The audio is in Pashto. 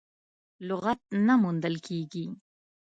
لغت نه موندل کېږي.